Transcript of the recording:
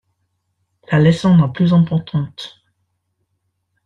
La leçon la plus importante.